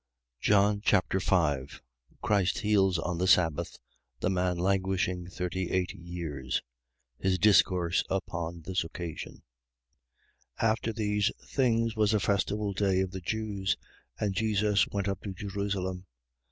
John Chapter 5 Christ heals on the sabbath the man languishing thirty eight years. His discourse upon this occasion. 5:1. After these things was a festival day of the Jews: and Jesus went up to Jerusalem.